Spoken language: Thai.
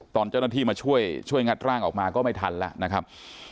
ตอนเจ้าหน้าที่มาช่วยช่วยงัดร่างออกมาก็ไม่ทันแล้วนะครับ